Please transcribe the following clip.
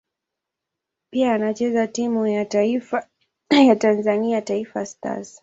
Pia anachezea timu ya taifa ya Tanzania Taifa Stars.